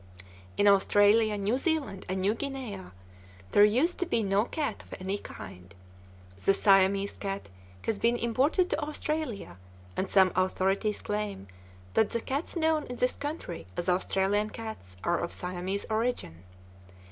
In Australia, New Zealand, and New Guinea there used to be no cat of any kind. The Siamese cat has been imported to Australia, and some authorities claim that the cats known in this country as Australian cats are of Siamese origin.